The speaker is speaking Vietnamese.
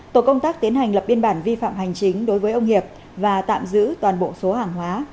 tổ công tác tiến hành lập biên bản vi phạm hành chính đối với ông hiệp và tạm giữ toàn bộ số hàng hóa